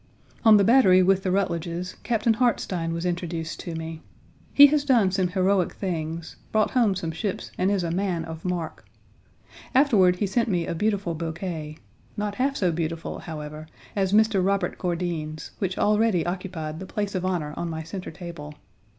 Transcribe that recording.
On the Battery with the Rutledges, Captain Hartstein was introduced to me. He has done some heroic things brought home some ships and is a man of mark. Afterward he sent me a beautiful bouquet, not half so beautiful, however, as Mr. Robert Gourdin's, which already occupied the place of honor on my center table.